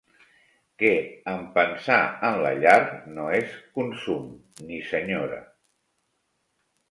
Que en pensar en la llar, no es consum ni s'enyora.